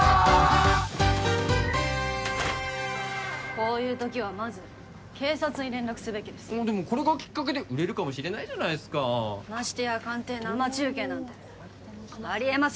こういうときはまず警察に連絡すべきですでもこれがきっかけで売れるかもしれないじゃないっすかましてや鑑定生中継なんてありえません